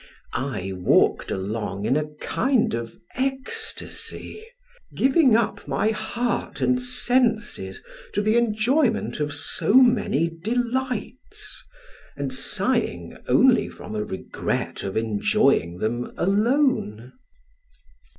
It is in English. I walked along in a kind of ecstasy, giving up my heart and senses to the enjoyment of so many delights, and sighing only from a regret of enjoying them alone.